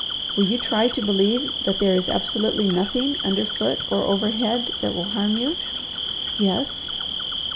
"Will you try to believe that there is absolutely nothing, either underfoot or overhead, that will harm you?" "Yes."